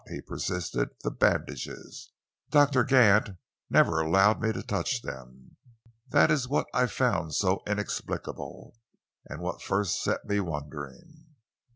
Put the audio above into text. he persisted, "the bandages?" "Doctor Gant never allowed me to touch them. That is what I found so inexplicable, what first set me wondering."